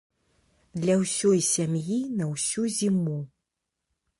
Для ўсёй сям'і на ўсю зіму.